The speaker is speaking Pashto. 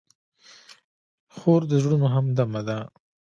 خور د زړونو همدمه ده.